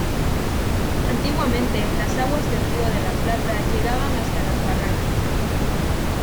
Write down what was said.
Antiguamente las aguas del Río de la Plata llegaban hasta las barrancas.